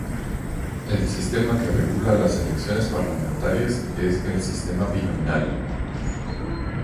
El sistema que regula las elecciones parlamentarias es el sistema binominal.